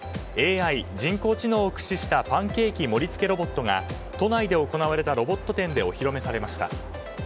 ＡＩ・人工知能を駆使したパンケーキ盛り付けロボットが都内で行われたロボット展でお披露目されました。